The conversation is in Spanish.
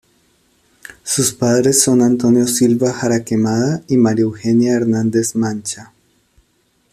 Sus padres son Antonio Silva Jaraquemada y María Eugenia Hernández Mancha.